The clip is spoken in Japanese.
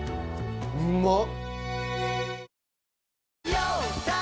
うまっ！